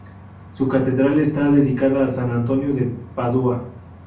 Su catedral está dedicada a San Antonio de Padua.